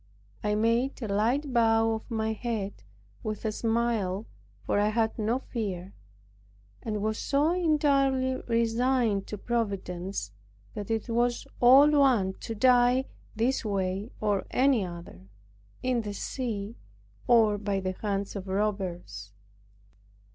I made a light bow of my head, with a smile, for I had no fear, and was so entirely resigned to Providence, that it was all one to die this way or any other; in the sea, or by the hands of robbers.